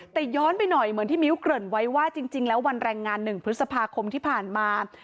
แต่ย้อนไปหน่อยเหมือนที่มิ้วเกริ่นไว้ว่าจริงแล้ววันแรงงาน๑พฤษภาคมที่ผ่านมา